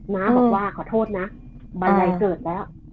น้าบอกว่าขอโทษนะบันไดเกิดแล้ว